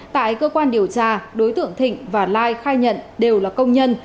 tại cơ quan điều tra đối tượng thịnh và lai khai nhận đều là công nhân